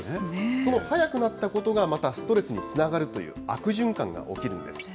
その速くなったことが、またストレスにつながるという悪循環が起きるんです。